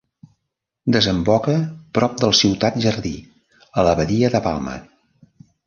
Desemboca prop del Ciutat Jardí, a la badia de Palma.